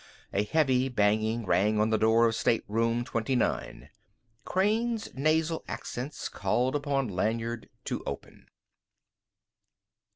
A heavy banging rang on the door to Stateroom 29. Crane's nasal accents called upon Lanyard to open.